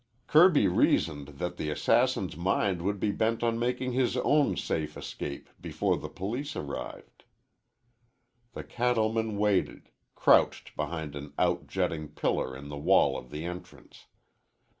Kirby reasoned that the assassin's mind would be bent on making his own safe escape before the police arrived. The cattleman waited, crouched behind an out jutting pillar in the wall of the entrance.